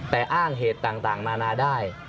แต่อ้างเหตุต่างนานาได้